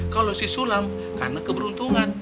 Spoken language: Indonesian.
kalau si sulam karena keberuntungan